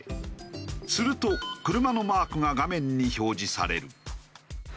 すると車のマークが画面に表示される。